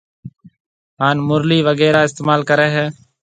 هانَ مُرلِي وغيره استعمال ڪريَ هيَ